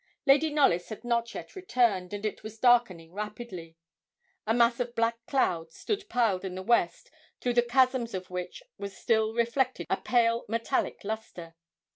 Lady Knollys had not yet returned, and it was darkening rapidly; a mass of black clouds stood piled in the west, through the chasms of which was still reflected a pale metallic lustre.